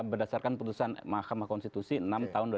berdasarkan keputusan mahkamah konstitusi tiga belas tahun dua ribu enam